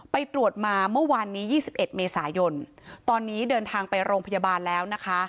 ไปตรวจมาเมื่อวานนี้๒๑เมษายนตอนนี้เดินทางไปโรงพยาบาลแล้วนะคะ